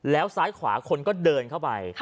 แล้วซ้ายขวาคนก็เดินเข้าไป